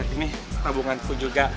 ini hubunganku juga